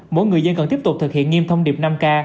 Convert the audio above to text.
mỗi người dân cần tiếp tục thực hiện nghiêm thông điệp năm k